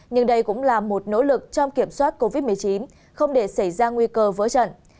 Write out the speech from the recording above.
nhưng đây cũng là một nỗ lực trong kiểm soát covid một mươi chín không để xảy ra nguy cơ vỡ trận